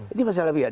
ini masalah pikiran